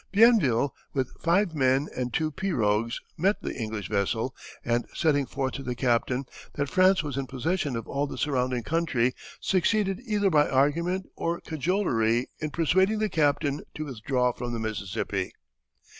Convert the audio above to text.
Bienville, with five men and two pirogues, met the English vessel, and setting forth to the captain that France was in possession of all the surrounding country, succeeded either by argument or cajolery in persuading the captain to withdraw from the Mississippi.